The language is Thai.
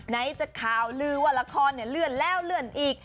ไหนจะคาวลือว่าละครเลื่อนแล้วอีก